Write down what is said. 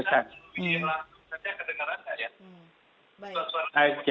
bisa saja kedengaran pak ya